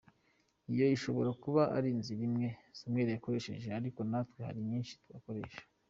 Iyo ishobora kuba ari inzira imwe Samuel yakoresheje ariko natwe hari nyinshi twakoresha.